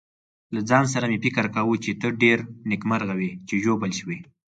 له ځان سره مې فکر کاوه چې ته ډېر نېکمرغه وې چې ژوبل شوې.